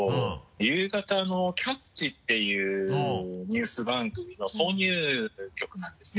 夕方の「キャッチ！」っていうニュース番組の挿入曲なんですね。